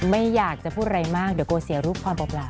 ไม่อยากจะพูดอะไรมากเดี๋ยวกลัวเสียรูปความเปล่า